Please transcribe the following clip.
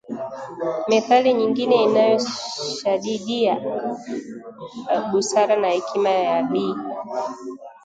Methali nyingine inayoshadidia busara na hekima ya Bi